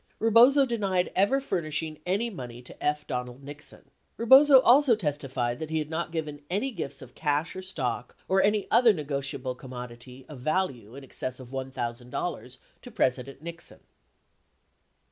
62 Rebozo denied ever furnish ing any money to F. Donald Nixon. 63 Rebozo also testified that he had not given any gifts of cash or stock or any other negotiable commodity of value in excess of $1,000 to President Nixon.